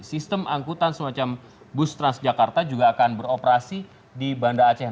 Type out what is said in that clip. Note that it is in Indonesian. sistem angkutan semacam bus transjakarta juga akan beroperasi di banda aceh